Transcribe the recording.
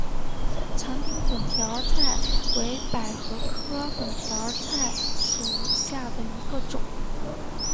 长柄粉条儿菜为百合科粉条儿菜属下的一个种。